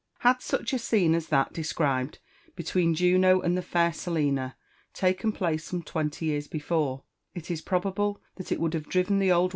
Had such a scene as that described between Juno and the fair Selina taken place some twenty, years before, it is probable that it would have driven the old